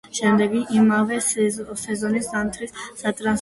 იმავე სეზონის ზამთრის სატრანსფერო ფანჯრისას მათე თბილისის „დინამომ“ შეიძინა.